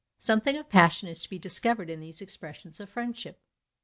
Something of passion is to be discovered in these expressions of friendship.